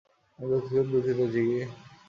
আমি খুব দুঃখিত, জিগি।